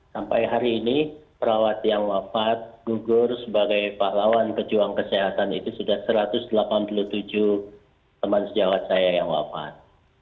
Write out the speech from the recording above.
sampai hari ini perawat yang wafat gugur sebagai pahlawan pejuang kesehatan itu sudah satu ratus delapan puluh tujuh teman sejawat saya yang wafat